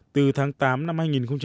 từ tháng tám năm hai nghìn một mươi bốn